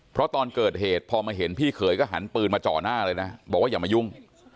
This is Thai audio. เพราะตอนเกิดเหตุพอมาเห็นพี่เขยก็หันปืนมาจ่อหน้าเลยนะบอกว่าอย่ามายุ่ง